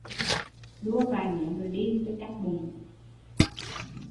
Lua vài miếng rồi đi cho chắc bụng